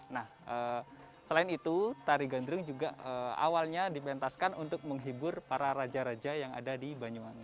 nah selain itu tari gandrung juga awalnya dipentaskan untuk menghibur para raja raja yang ada di banyuwangi